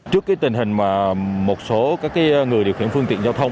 trước tình hình mà một số người điều khiển phương tiện giao thông